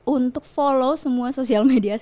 untuk follow semua sosial media